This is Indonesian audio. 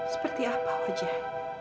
seperti apa wajahnya